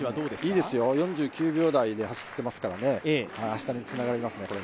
いいですよ、４９秒台で走っていますからこれで明日につながりますね。